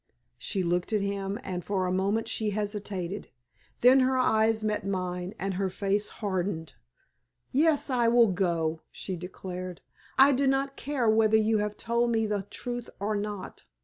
She looked at him, and for a moment she hesitated. Then her eyes met mine, and her face hardened. "Yes, I will go," she declared. "I do not care whether you have told me the truth or not.